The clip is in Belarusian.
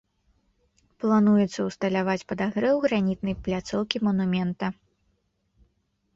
Плануецца ўсталяваць падагрэў гранітнай пляцоўкі манумента.